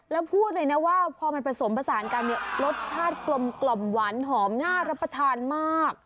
แล้วพูดเลยนะว่าพอมันผสมผสานกันเนี่ยรสชาติกลมหวานหอมน่ารับประทานมาก